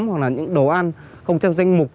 hoặc là những đồ ăn không trong danh mục